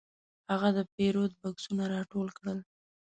هغه د پیرود بکسونه راټول کړل.